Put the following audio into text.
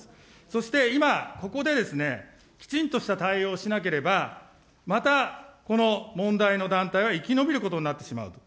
そして、今、ここでですね、きちんとした対応をしなければ、またこの問題の団体は生き延びることになってしまうと。